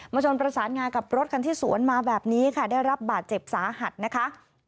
ชนประสานงากับรถคันที่สวนมาแบบนี้ค่ะได้รับบาดเจ็บสาหัสนะคะ